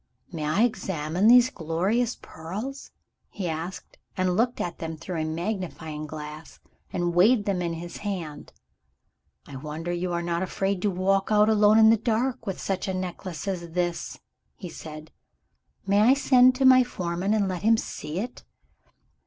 "May I examine these glorious pearls?" he asked and looked at them through a magnifying glass, and weighed them in his hand. "I wonder you are not afraid to walk out alone in the dark, with such a necklace as this," he said. "May I send to my foreman, and let him see it?"